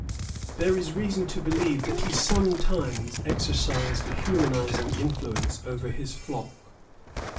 There is reason to believe that he sometimes exercised a humanizing influence over his flock.